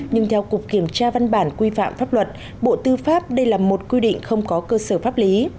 nhưng theo cục kiểm tra văn bản quy phạm pháp luật bộ tư pháp đây là một quy định không có cơ sở pháp lý